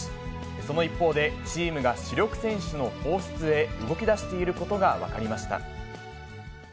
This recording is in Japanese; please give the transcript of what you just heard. その一方で、チームが主力選手の放出へ動きだしていることが分かりました。